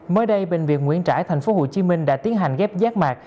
mới đây bệnh viện nguyễn trãi tp hcm đã tiến hành ghép mạc